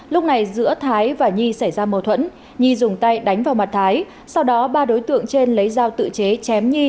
lúc này giữa thái và nhi xảy ra mâu thuẫn nhi dùng tay đánh vào mặt thái sau đó ba đối tượng trên lấy dao tự chế chém nhi